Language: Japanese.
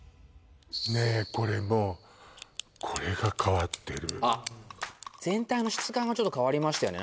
ねえこれもうこれが変わってるあっ全体の質感がちょっと変わりましたよね